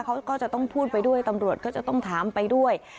เขาก็จะต้องพูดไปด้วยตำรวจก็จะต้องถามไปด้วย